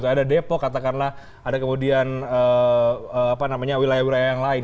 ada depok katakanlah ada kemudian wilayah wilayah yang lain